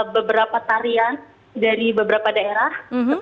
beberapa tarian dari beberapa daerah